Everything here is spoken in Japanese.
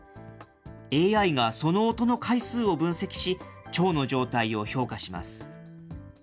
ＡＩがその音の回数を分析し、腸の状態を評価します。